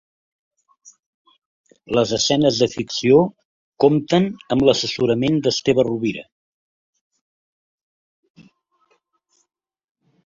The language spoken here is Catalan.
Les escenes de ficció compten amb l'assessorament d'Esteve Rovira.